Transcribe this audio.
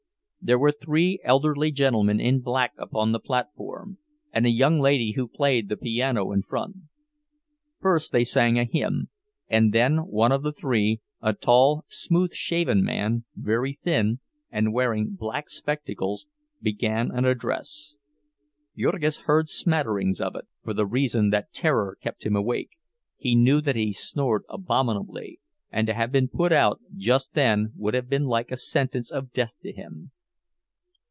There were three elderly gentlemen in black upon the platform, and a young lady who played the piano in front. First they sang a hymn, and then one of the three, a tall, smooth shaven man, very thin, and wearing black spectacles, began an address. Jurgis heard smatterings of it, for the reason that terror kept him awake—he knew that he snored abominably, and to have been put out just then would have been like a sentence of death to him.